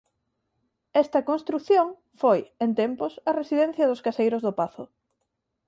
Esta construción foi en tempos a residencia dos caseiros do pazo.